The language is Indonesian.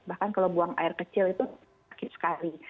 bahkan kalau buang air kecil itu sakit sekali